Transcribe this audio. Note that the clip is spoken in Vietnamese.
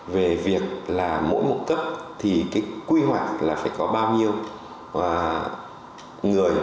về việc là mỗi một cấp thì cái quy hoạch là phải có bao nhiêu người